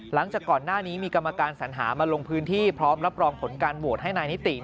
หลังจากก่อนหน้านี้มีกรรมการสัญหามาลงพื้นที่พร้อมรับรองผลการโหวตให้นายนิติ